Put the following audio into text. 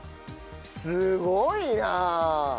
すごいな！